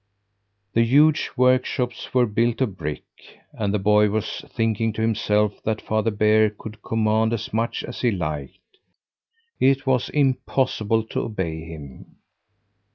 The huge workshops were built of brick, and the boy was thinking to himself that Father Bear could command as much as he liked, it was impossible to obey him.